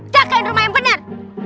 cakaian rumah yang bener